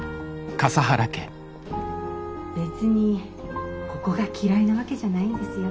別にここが嫌いなわけじゃないんですよ。